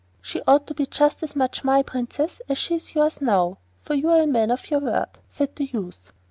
She ought to be just as much my Princess as she is yours now, for you are a man of your word,' said the youth.